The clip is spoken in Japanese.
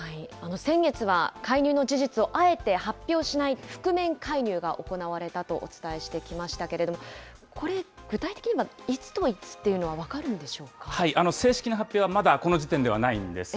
先月は介入の事実をあえて発表しない覆面介入が行われたとお伝えしてきましたけれども、これ、具体的にはいつといつというのは正式な発表はまだこの時点ではないんです。